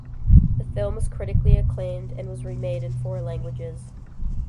The film was critically acclaimed and was remade in four languages.